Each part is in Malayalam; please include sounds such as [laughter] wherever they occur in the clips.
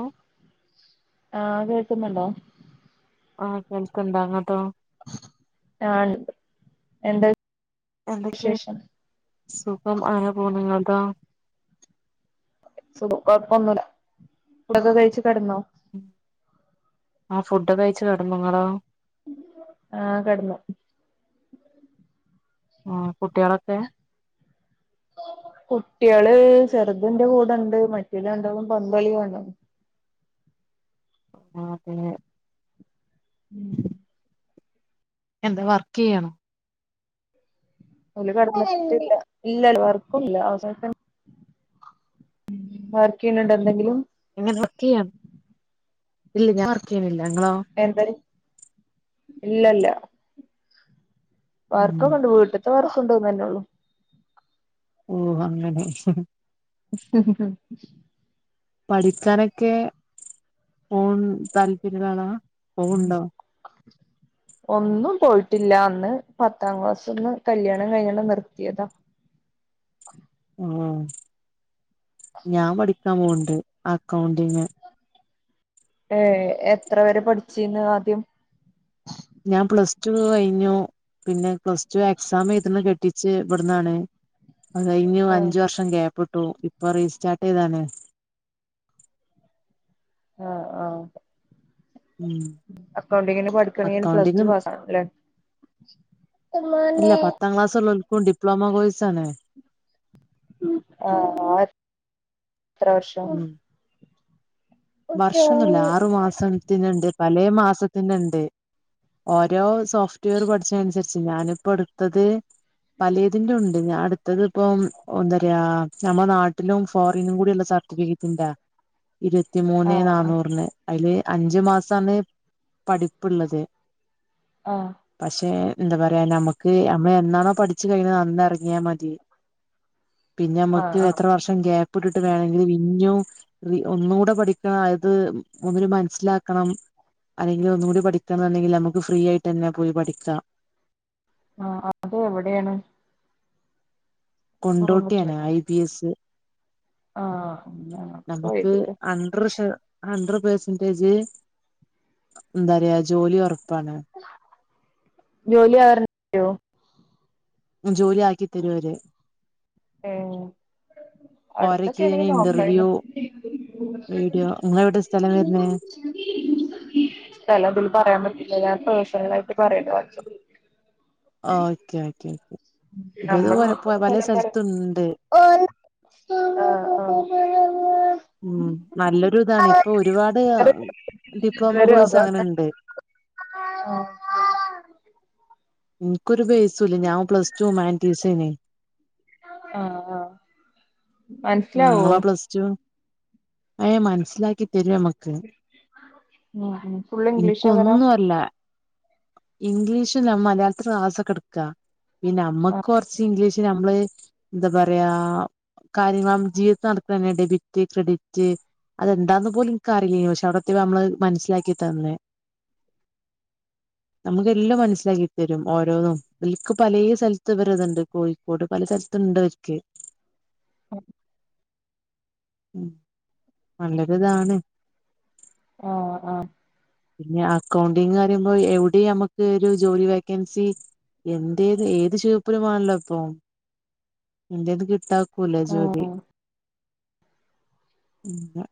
ഓ ആഹ് കേൾക്കുന്നുണ്ടോ ആഹ് കേൾക്ക്ണ്ടങ്ങട്ടോ? ആ ഇണ്ട് എന്താ എന്തൊക്കെയാണ് വിശേഷം സുഖം അങ്ങനെ പോണ് ഇങ്ങൾതോ സുഖം കൊഴപ്പൊന്നുല ഫുഡൊക്കെ കഴിച്ച് കെടന്നോ? ഉം ആ ഫുഡൊക്കയിച്ച് കെടന്നോ നിങ്ങള് ആഹ് കെടന്നു ഉ കുട്ടികളൊക്കെ കുട്ട്യള് ചെർത് ന്റെ കൂടെണ്ട് മറ്റേത് രണ്ടാളും പന്തളികാണാ. ആത [inaudible] എന്താ വർക്ക്യ്യാണോ? [unintelligible] ഇല്ല വർക്കൊന്നുല്ല അവസ വർക്കയ്യ്ണ് ണ്ടോ എന്തെങ്കിലും? [unintelligible] ഇല്ല ഞാ വർക്ക് ചെയ്യ്നില്ല. ഇങ്ങളോ? എന്തെര് ഇല്ലല്ലാ. ഉം വർക്കൊക്ക ഉണ്ട് വീട്ടത്തെ വർക്കുണ്ടോന്ന് തന്നെ ഉള്ളു ഓ അങ്ങനെ. [inaudible] പഠിക്കാനൊക്കെ പോ താല്പര്യളാ പോവ്ണ്ടോ? [inaudible] ഒന്നും പോയിട്ടില്ല അന്ന് പത്താം ക്ലാസ്സ്ന്ന് കല്യാണം കഴിഞ്ഞാണ്ട് നിർത്തിയതാ. ഓ ഞാൻ പഠിക്കാൻ പോവണ്ട് അക്കൗണ്ടിങ് ഏ എത്ര പേരെ പഠിച്ചിന്ന് ആദ്യം ഞാൻ പ്ലസ്റ്റുക്കെ കഴിഞ്ഞു. പിന്നെ പ്ലസ് ടു എക്സാം എഴതുന്ന കെട്ടിച്ച് ഇവിടന്നാണ് അത് കഴിഞ്ഞു ആഹ് അഞ്ചു വർഷം കേപ്പ്ട്ടു ഇപ്പൊ റീസ്റ്റാർട്ട് ചെയ്താണ്. ആഹ് ആഹ് ഉം അക്കൗണ്ടിങ്ങിന് പഠിക്കണമെങ്കിൽ പ്ലസ് ടു അക്കൗണ്ടിങ്ങും പാസ് ആല്ലേ അല്ല പത്താം ക്ലാസ്സ്ള്ളോൽക്കും ഡിപ്ലോമ കോഴ്സാണ്. ആ എത്ര വർഷം? വർഷൊന്നുമല്ല ആറു മാസത്തിനുണ്ട് പല മാസത്തിനുണ്ട് ഓരോ സോഫ്റ്റ്വെയർ പഠിച്ച അനുസരിച്ച് ഞാനിപ്പോ എടുത്തത് പലേതിന്റെ ഉണ്ട് ഞാ ഇട്ത്തത് പ്പം ഒന്നരയാ. നമ്മള നാട്ടിലും ഫോറിനും കൂടി ഉള്ള സർട്ടിഫിക്കറ്റിണ്ട ഇരുപത്തിമൂന്നേ ആഹ് ആഹ് നാന്നൂറിന്. അയില് അഞ്ചു മാസാണ് പഠിപ്പ്ള്ളത്. ആഹ് പക്ഷെ എന്താ പറയാ നമുക്ക് നമ്മ എന്നാണോ പഠിച്ചു കഴിഞ്ഞ അന്ന്റങ്ങിയാൽ മതി. പിന്നെ ആഹ് നമ്മക്ക് ആഹ് എത്ര വർഷം ഗ്യാപ്പ് ഇട്ടിട്ട് വേണങ്കിലും ഇഞ്ഞു ഒന്നൂടെ പഠിക്കണം അത് ഒന്ന്ന് മൻസ്സിലാക്കണം. അയ്യോ ഒന്നുകൂടി പഠിക്കാന്നണ്ടെങ്കിൽ മ്മക്ക് ഫ്രീ ആയിട്ട് തന്നെ പോയി പഠിക്കാം. ആ അത് എവിടെണ്? പറയാൻ കൊണ്ടോട്ടിയാണ് പറ്റൂലല്ലോ ഐ ബി എസ് ആഹ് നമുക്ക് അണ്ടർ ശെ ഹൺഡ്രഡ് പെർസെന്റേജ് എന്താ പറ്യാ ജോലി ഒറപ്പാണ്. ജോലി ആർ ജോലി ആക്കി തരുവര്. ഹേ അടുത്തൊക്കെ ഓരൊക്കെ ആണെങ്കി നോക്കായിരുന്നു. ഇന്റർവ്യൂ വീഡിയോ നിങ്ങളെ എവിടെ സ്ഥലം വരുന്നേ സ്ഥലം ഇതില് പറയാൻ പറ്റില്ല ഞാൻ പേഴ്സണലായിട്ട് പറയണ്ട് വാട്സപ്പ് ഓക്കേ ഓക്കേ ഓക്കേ ഇപ്പ ഇതേ പോലെ പലേ സ്ഥലത്തുണ്ട്. ഓ ഉം നല്ലൊരു ഇതാണ് ഇപ്പൊ ഒരുപാട് ഡിപ്ലോമ കോഴ്സ് ആഹ് അങ്ങനെുണ്ട് ആഹ് എനിക്കൊരു ബേസ ഇല്ല ഞാൻ പ്ലസ് ടു മാൻ ടീസനെ ആഹ് ആഹ് മൻസ്സ്ലാവോ? [unintelligible] അയാ മനസ്സിലാക്കി തരോമ ഉം ഉം ഫുൾ ഇൻക്ക്‌ ഇംഗ്ലീഷാകാരം ഒന്നു അല്ലെ. ഇംഗ്ലീഷ് മലയാളത്തിൽ ക്‌ളാസ്സൊക്കെ ഇട്ക്കാ പിന്നെ നമ്മുക്ക് കുറച്ച് ഇംഗ്ലീഷ്.. പക്ഷെ നമ്മള് എന്താ പറയാ. കാര്യം വാം [unintelligible] നടത്താൻ വേണ്ടി ഡെബിറ്റ് ക്രെഡിറ്റ്.. അത് എന്താന്ന് പോലും നിക്ക് അറിയിലയിനു ക്ഷെ അതൊക്കെ നമ്മള് മനസിലാക്കി തന്ന്. നമുക്ക് എല്ലാം മനസ്സിലാക്കി തരും ഓരോന്നും ഇവെല്ക്ക് പാലെ സ്ഥലത്ത് ഇവരെ ഇതുണ്ട് കോഴി ഒര് പലസ്ഥലത്ത്ണ്ട് ഓര്ക്.. ആഹ.. ഉം നല്ലരുതാണ്. ആ അ.. പിന്നെ അക്കൗണ്ടിങ്ന്ന് പറയുമ്പോ എവിടെ നമുക്ക് ഒരു ജോലി വേക്കൻസി... എന്റേത് ഏത് ചിർപ്പിലുംമാണല്ലോ ഇപ്പൊ എന്റത് കിട്ട.. കുലജ്യോതി ഉം [unintelligible]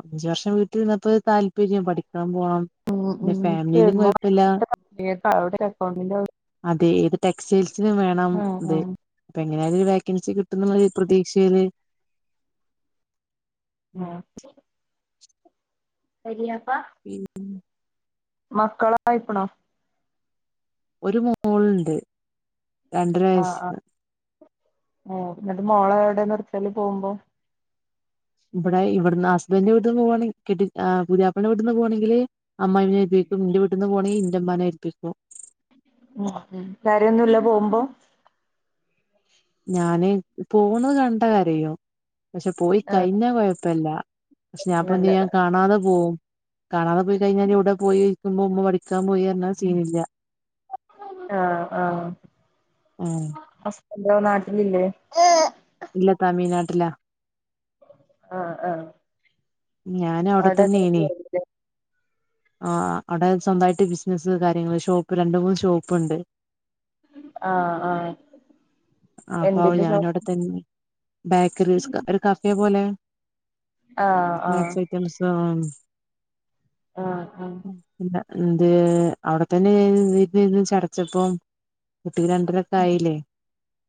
അഞ്ചു വർഷം വീട്ടിൽ ഇരുന്നപ്പോ താല്പര്യം പഠിക്കാൻ പോകണം.. ഉ ഉ [unintelligible] അക്കൗണ്ടിന്റെ.. അതെ ഏത് ടെക്സ്റ്റൈൽസിനും വേണം ആഹ് ഇത്.. ആഹ് അപ്പൊ എങ്ങനെ ആയാലും ഒരു വെക്കൻസി കിട്ടും എന്നുള്ള പ്രതീക്ഷയില്.. ആ ശരിയപ്പ... [unintelligible] മക്കളായ്ക്കാണോ.. ഒരു മോളുണ്ട് രണ്ടര വയസ. ഓ ന്നിട്ട് മോള എവിടെ നിർത്തല് പോവുംമ്പോ. ഇവിടെ ഇവിടുന്ന് ഹസ്ബാൻഡ് ന്റെ വീട്ടന്ന് പോകവാണെ കെട്ടി പുതിയാപ്പാ ള്ളെന്റെ വീട്ടി നിന്ന് പോകണെങ്കിൽ അമ്മയി.. ന്റെ വീട്ടന്ന് പോവാണെങ്കിൽ ഇന്റെ ഇമ്മാനെ ഏൽപ്പിക്കും.. ഉ കാര്യൊന്നുല്ല പോകുമ്പോ.. ഞാന് പോണത് കണ്ട കരയും പക്ഷെ പോയി ആഹ് കഴിഞ്ഞാ കൊഴപ്പില്ല.. പക്ഷെ ഞാപ്പെന്താ നല്ല ചെയ്യാ കാണാതെ പോവും.. കാണാതെ പോയി കഴിഞ്ഞാൽ എവിടെ പോയി ചോയ്ക്കുമ്പോ ഉമ്മാ പഠിക്കാൻ പോയി പറഞ്ഞാൽ സീനില്ല.. ആഹ്‌ ആഹ്‌ ആഹ് ഹസ്ബന്റ് ഇവെ നാട്ടിലില്ലേ. ഇല്ല തമിഴ്നാട്ടിലാ.. ആഹ് ആഹ.. ഞാൻ അവിടെത്തന്നെയ്ന്ന്.. ആ അവിടെ സ്വന്തയിട്ട് ബിസിനസ്സ് കാര്യങ്ങള് ഷോപ്പ് രണ്ട് മൂന്ന് ഷോപ്പ് ഉണ്ട്.. ആഹ ആഹ.. അപ്പ ഞാനവിടെത്തന്നെ ബേക്കറീസ് ഒരു കഫേ പോലെ.. ആഹ ആഹ.. യം സാൻ.. ആഹ ആഹ.. പിന്ന എന്ത് അവിടെത്തന്നെ ഇരുന്ന് ഇരുന്ന് ചടച്ചപ്പം.. കുട്ടിക്ക് രണ്ടരൊക്കെ ആയില്ലേ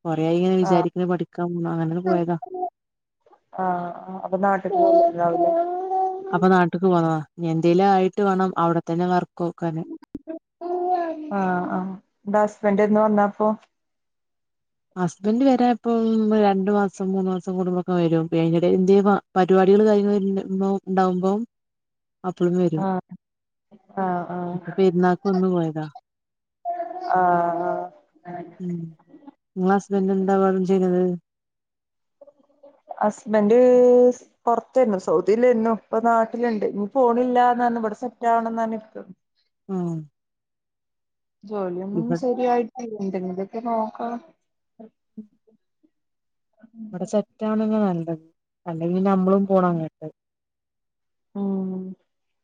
കൊറെആയി ഇങ്ങനെ വിചാരിക്ക്‌ണ് പഠിക്കാൻ പോ അങ്ങനൊണ് പോയതാ.. ആഹ അപ്പൊ നാട്ടിൽക് പൊന്നിട്ട് ഉണ്ടാവുംല്ലേ.. അപ്പൊ നാട്ട്ക്ക് പോന്നതാ എന്തേലും ആയിട്ട് വേണം അവിടെ തന്നെ വർകോക്കാന്. ആഹ ആഹ് ന്നെട്ട് ഹസ്ബൻറ് എന്ന് വന്നാതാപ്പോ.. ഹസ്ബൻഡ് വരെ ഇപ്പം രണ്ടു മാസം മൂന്ന് മാസം കൂടുംമ്പോക്കെ വരും പിന്നെ അയ്ന്റെ എടെൽ എന്തെ.. പരിപാടികൾ കാര്യങ്ങൾ ഉണ്ടാവുമ്പോ.. അപ്പളും വരും.. ആഹ് ഇപ്പോ ആഹ് പെരുന്നാൾക്ക് വന്ന് പോയതാ ആഹ് ഉം.. ങ്ങളെ ഹസ്ബൻഡ് എന്താണ് അവിടെ ചെയ്യുന്നത്.. ഹസ്ബൻഡ്.. പുറത്തെയിരുന്നു സൗദിയിലെന്നു ഇപ്പൊ നാട്ടിലുണ്ട് ഇനി പോണില്ല ന്ന് പറഞ്ഞു ഇവിടെ സെറ്റ ആവണം ന്ന് പറഞ്ഞ് നിൽക്കാണ്.. ആഹ്. ജോലിയൊന്നും ഇവ ശരിയായി എന്തെങ്കെക്കെ നോക്കാം. വടെ സെറ്റാവ്ണെന്നെ നല്ലത്. അല്ലെ പിന്നമ്മളും പോണം അങ്ങട്ട് ഉം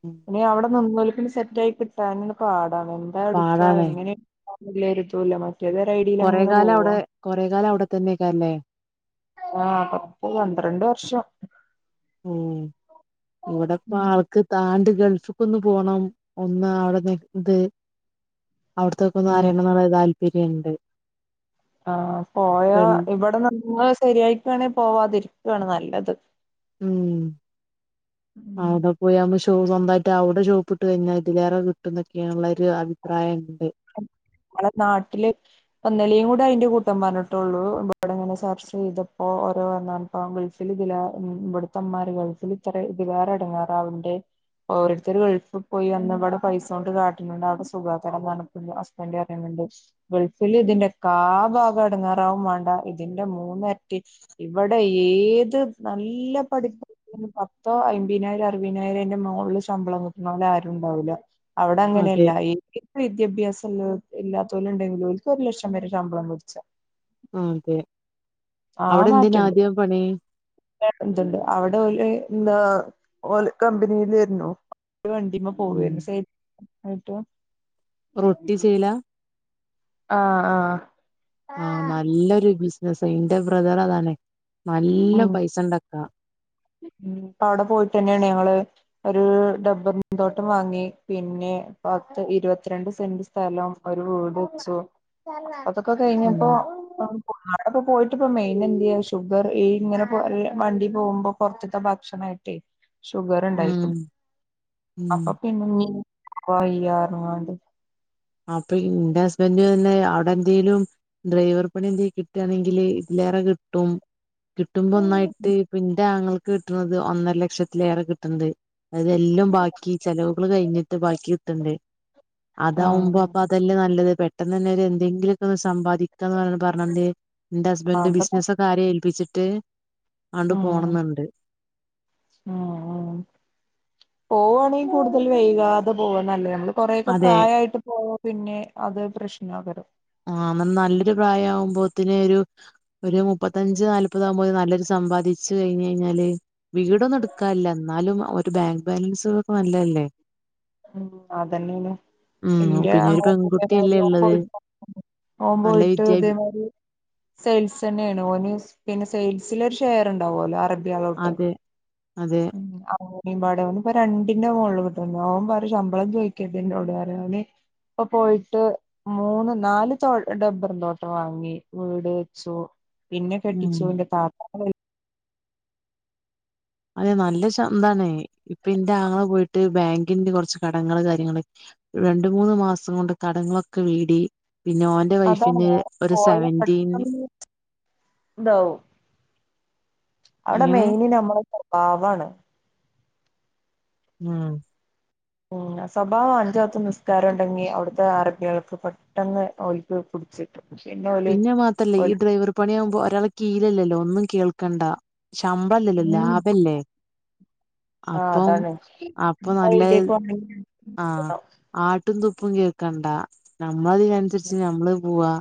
ഉം ഇനി അവിടെന്ന് ഒന്നല പിന്നെ സെറ്റ ആയി കിട്ടാ പാടാണ്. ഇടുക്കാ പാടാണേ എങ്ങനേ പോവാന്ന് ല്ലൊരു തുല്ല. മറ്റേതൊരൈടി കൊറെ കാലം അവിടെ കൊറെ കാലം അവിടെത്തന്നേകാരം ലേ ആഹ് അപ്പൊ പന്ത്രണ്ട് വർഷം. ഉം ഇവിടപ്പ ഉം ആൾ ക്ക് താണ്ട് ഗൾഫ്ക്കൊന്ന് പോണം ഒന്ന് അവിട നി ഇത് അവിടത്തേക്കൊന്ന് ഉം അറിയണോന്നുള്ളര് താൽപര്യോണ്ട്. ആ പോയ ഇവിടെന്ന്മ്മ സരിയായിക്കാണെ പോവാതിരിക്കാണ് നല്ലത് ഉം. ഉം അവിടെ പോയാമ്പോ ഷോ സ്വന്തായിട്ട് അവിടെ ഷോപ്പിട്ട് കഴിഞ്ഞാ ഇതിലേറെ കിട്ടും ന്നൊക്കെയുള്ള ഒരു അഭിപ്രായണ്ട് അ മ്മള നാട്ടില് ഒന്നിലേയും കൂടെ അതിന്റെ കൂട്ടം പറഞ്ഞിട്ടുള്ളൂ ഇവിടെങ്ങനെ ചർച്ച് ചെയ്തപ്പോ ഓരോണ് പ്പം ഗൾഫില്തിലാ ഉം ബട്ത്തമ്മാര് ഗൾഫില് ത്ര തിലാറെ എട്ങ്ങേറാവ്ണ്ട് ഓരോരുത്തര് ഗൾഫി പോയി വന്ന് ഇവടെ പൈസൊണ്ട് കാട്ടണണ്ട് അവിട സുഖാക്കണന്നറഞ് അസ്ബന്റ് അറയുന്നുണ്ട്. ഗൾഫില്തിന്റെ കാ ഭാഗം എടങ്ങാറാവും വാണ്ട, ഇതിന്റെ മൂന്നര്റ്റി ഇവിടെ ഏത് നല്ല പഠിപ്പ് നി പത്തോ അയ്മ്പിനായിരം അറുവിനായിരം അയ്ന്റെ മോള്ല് ശമ്പളം കിട്ടണോലാരുണ്ടാവൂല. അവിടെ അതെ അങ്ങനെല്ല. [unintelligible] വിദ്യാഭ്യാസം ല്ലാ ഇല്ലാത്തോല്ണ്ടെങ്കിലും ഒക്ക് ഒരു ലക്ഷം വരെ ശമ്പളം വെടിച്ച. ആ അതെ അവിടെ എന്തിനാ ആദ്യം പണി. ത്ണ്ട് അവിടെ ഓല്ന്താ ഓല് കമ്പിനിയിലായിരുന്നു. വണ്ടിമേ ഉം പോവരുന്നു സ ആയിട്ടോ. റൊട്ടി ചെയല. ആ, ആ ആഹ് നല്ലൊരു ബിസ്നസ എന്റെ ബ്രദർ അതാണെ നല്ല ഉം പൈസണ്ടാക്കാ. ഉം അപ്പ അവിടെ പോയിട്ടന്നെയാണ് ഞങ്ങള് ഒരു ഡമ്പറ്ന്തോട്ടം വാങ്ങി പിന്നെ പത്ത് ഇര് വത്തിരണ്ട് സെന്റ് സ് സ്ഥലം ഒരു വീട് വച്ചു. അതൊക്കെ കഴിഞ്ഞപ്പോ ഉം അവിടെപ്പോ പോയിട്ട് ഇപ്പ മെയിനേന്ത്യേ ഷുഗർ ഈ ഇങ്ങനെപൊ വണ്ടി പോവുമ്പോ പൊർത്ത്ത്തെ ഭക്ഷണായിട്ടേയ് ഉം ഷുഗറ്ണ്ടായിക്ക്ണു. ഉം അപ്പം പിന്നിം കോയ്യാർഞ്ഞ് ങ്ങാണ്ട് അപ്പൊ ഇന്റെ ഹസ്ബൻഡ്നന്നെ അവിടെ എന്തേലും ഡ്രൈവർ പണി എന്തെ കിട്ട്ആണെങ്കില് ഇതിലേറെ കിട്ടും. കിട്ടുമ്പൊന്നായിട്ട് പിൻ്റാങ്ങൾക്ക് കിട്ട്ണത് ഒന്നര ലക്ഷത്തിലേറെ കിട്ട്ണ്ട് അതെല്ലാം ബാക്കി ചെലവുകള് കഴിഞ്ഞിട്ട് ബാക്കി കിട്ടണ്ടെ താവുമ്പോ ഉം അപ്പൊ അതല്ലേ നല്ലത്. പെട്ടെന്നന്നെ ഒര് ന്തെങ്കിലൊക്കൊന്ന് സമ്പാദിക്കാന്ന് പറഞ്ഞ പറഞ്ഞന്ത് എന്റെ ഹസ്ബന്റ് അതൊക്കെ ബിസ്നസക്കെ ആരെ ഏൽപ്പിച്ചിട്ട് അണ്ട് പോണംന്നുണ്ട്. ആ, ആ പോവ്വാണെങ്കിൽ കൂടുതൽ വൈകാതെ പോവന്നല്ലേ നല്ലത് കൊറക്ക അതെ പ്രായയിട്ട് പോവ പിന്നെ അത് പ്രശ്നകരും. ആ ന നല്ലൊരു പ്രായ ആവുമ്പോത്തിനെ ഒരു ഒരു മുപ്പത്തഞ്ച് നാല്പതാകുമ്പോത്തിന് നല്ലൊരു സമ്പാദിച്ചു കഴിഞ്ഞ് കഴിഞ്ഞാല് വീടൊന്നും എട്ക്കാല്ലന്നാലും ഒരു ബാങ്ക് ബാലൻസൊക്കെ നല്ലല്ലേ. ഉം അതന്നെണ് ഉം എന്റെ പിന്നെ ഒരു പെൺകുട്ടിയല്ലേ ഉള്ളത് [unintelligible] നല്ല ഓംപോയിട്ട് വിദ്യാഭ്യാ തേ മാതിരി സെയിൽസ് തന്നെയാണ് ഓന് പിന്നെ സെൽസില് ഒരു ഷെയർ ഇണ്ടാവെല്ലോ അറബ അതെ തെ [unintelligible] ഓനിപ്പം രണ്ടിന്റെ മോള്ല് കിട്ട്ണ്ട്. ഓൻ പറയും ശമ്പളം ചോയിക്കരുത് ഇന്നോട് അവന് ഇപ്പ പോയിട്ട് മൂന്ന് നാല് തോ ടബ്ബറും തോട്ട വാങ്ങി വീട് വെച്ചു ഇന്നെ ഉം കെട്ടിച്ചു ഇന്റെ താത്താനെ കെട് അതെ നല്ല ശം താണേ. ഇപ്പം ഇന്റാങ്ങളെ പോയിട്ട് ബാങ്കിന്റെ കൊറച്ച് കടങ്ങള് കാര്യങ്ങളെ രണ്ട് മൂന്ന് മാസം കൊണ്ട് കടങ്ങളൊക്കെ വീടി പിന്നെ ഓൻ അതാണ് [unintelligible] പോയാ പെട്ടെന്ന് ഇതാവും അവെടെ അങ്ങനെ മെയിന് നമ്മളെ സ്വഭാവാണ് ഉം ഉം സ്വഭാവം അഞ്ച് വക്ത് നിസ്കാരം ഉണ്ടെങ്കി അവിടുത്തെ അറബികൾക്ക് പെട്ടെന്ന് ഓൽ ഓൽക് പുട്ച്ച്ക്കാ പിന്നെ ഓല് ഓല് പണിയാവുമ്പോ ഒരാളെ കീയീലല്ലല്ലോ ഒന്നും കേൾക്കണ്ട ശമ്പളല്ലല്ലോ ഉം ലാഭല്ലേ ആഹ് അപ്പം അതാണ് അപ്പ നല്ല ആഹ് ആട്ടും തുപ്പും കേൾക്കണ്ട നമ്മള ഇതിനനുസരിച്ച് നമ്മള് പോവാ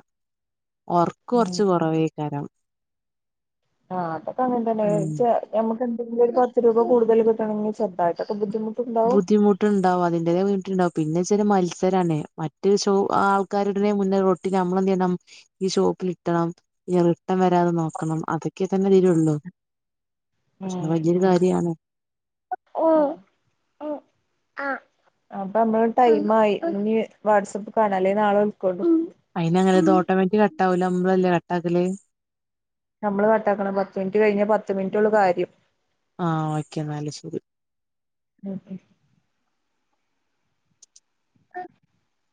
ഒർക്ക് കൊർച്ച് കുറവേക്കാരം ആ അതക്കങ്ങൻതന്നെ ഉം ചെ ഞമ്മക്കെന്തെങ്കിലും ഒരു പത്ത് രൂപ കൂടുതല് കിട്ടണെങ്കിൽ ചെറതായിട്ടക്കെ ബുദ്ധിമുട്ട് ബുദ്ധിമു ബുദ്ധിമുട്ട് ഇണ്ടാവും അതിന്റേതായ ബുദ്ധിമുണ്ടാവും പിന്നെച്ചാല് മത്സരാണേ മറ്റ് ഷോ ആൾക്കാരുടെ മുന്നെ റൊ നമ്മളെന്ത് ചെയ്യണം ഈ ഷോപ്പിലിട്ടണം ഇ ട്ടം വരാതെ നോക്കണം അതൊക്കെ തന്നെതിലൊള്ളൂ ഉം ഉം അപ്പൊ നമ്മളെ ടൈ ആയി ഇനി വാട്സആപ്പ് കാണാല്ലെ നാളെ വിളക്കണ്ടൂ അയിനങ്ങനെത് ഓട്ടോമാറ്റിക് കട്ടാവൂല അമ്മളല്ലേ കട്ടാക്കല് നമ്മള് കട്ടാക്കണം പത്ത് മിനിറ്റ് കഴിഞ്ഞാ പത്ത് മിനിറ്റെള്ളു കാര്യം ആഹ് ഓക്കെ ഇന്നാല് ശെരി [unintelligible] [unintelligible]